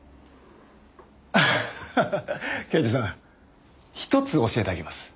ハハハハ刑事さん１つ教えてあげます。